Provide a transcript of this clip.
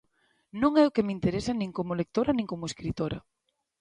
Non é o que me interesa nin como lectora nin como escritora.